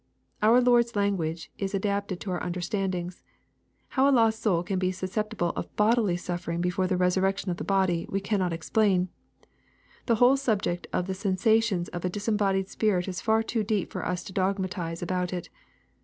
Our Lord's language is adapted to our understandings. How a lost soul can be susceptible of bodily suffering before the resurrection of the body, we cannot explain. The whole subject of the sensations of a disembodied spirit is far too deep for us to dogmatize about it.